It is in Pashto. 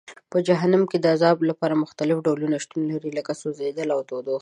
په جهنم کې د عذاب لپاره مختلف ډولونه شتون لري لکه سوځول او تودوخه.